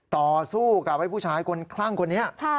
ต่อสู้กับไอ้ผู้ชายคนคลั่งคนนี้